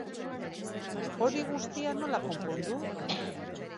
Hori guztia nola konpondu?